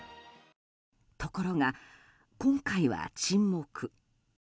ところが、今回は沈黙。